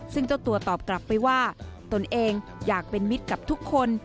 ซึ่งเจ้าตัวตอบกลับไปว่าตนเองอยากเป็นมิตรกับทุกคน